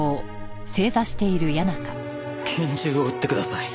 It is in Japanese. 拳銃を売ってください。